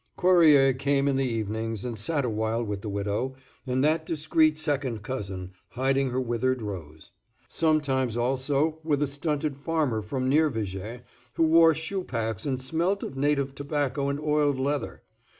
Cuerrier came in the evenings and sat awhile with the widow, and that discreet second cousin, hiding her withered rose. Sometimes also with a stunted farmer from near Viger, who wore shoe packs and smelt of native tobacco and oiled leather.